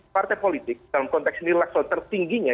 partai politik dalam konteks nilai tertingginya